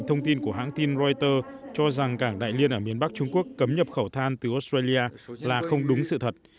thông tin của hãng tin reuters cho rằng cảng đại liên ở miền bắc trung quốc cấm nhập khẩu than từ australia là không đúng sự thật